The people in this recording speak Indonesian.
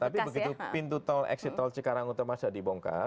tapi begitu pintu tol exit tol cikarang utama sudah dibongkar